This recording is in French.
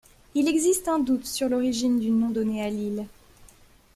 Il existe un doute sur l'origine du nom donné à l'île.